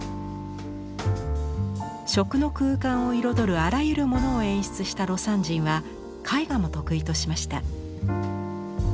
食の空間を彩るあらゆるものを演出した魯山人は絵画も得意としました。